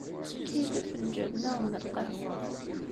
Efk-iyi-d afenǧal nniḍen n lqahwa.